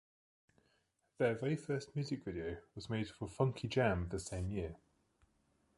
Their very first music video was made for "Funky Jam" the same year.